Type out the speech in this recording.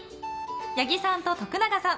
八木さんと徳永さん